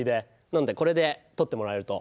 なのでこれで撮ってもらえると。